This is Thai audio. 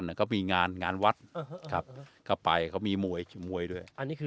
ก็มีงานงานวัดครับก็ไปเขามีมวยมวยด้วยอันนี้คือ